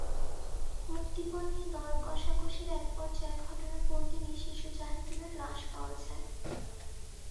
মুক্তিপণ নিয়ে দর-কষাকষির একপর্যায়ে ঘটনার পরদিনই শিশু জাহিদুলের লাশ পাওয়া যায়।